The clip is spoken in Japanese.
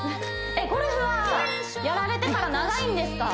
ゴルフはやられてから長いんですか？